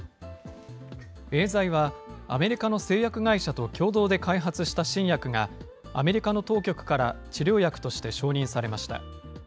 エーザイはアメリカの製薬会社と共同で開発した新薬が、アメリカの当局から治療薬として承認されました。